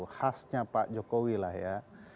khasnya pak jokowi lah ya